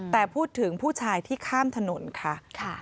แต่พูดถึงผู้ชายที่ข้ามถนนค่ะ